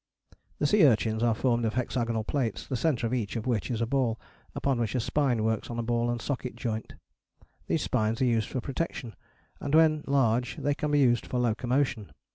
The sea urchins are formed of hexagonal plates, the centre of each of which is a ball, upon which a spine works on a ball and socket joint. These spines are used for protection, and when large they can be used for locomotion.